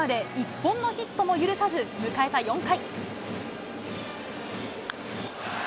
３回まで１本のヒットも許さず、迎えた４回。